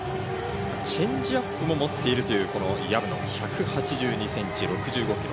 チェンジアップも持っているという薮野、１８２ｃｍ、６５ｋｇ。